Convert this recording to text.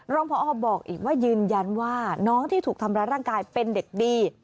พอบอกอีกว่ายืนยันว่าน้องที่ถูกทำร้ายร่างกายเป็นเด็กดี